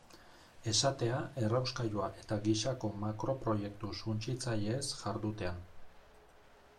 Esatea errauskailua eta gisako makroproiektu suntsitzaileez jardutean.